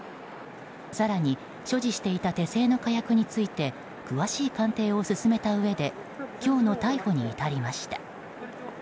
更に所持していた手製の火薬について詳しい鑑定を進めたうえで今日の逮捕に至りました。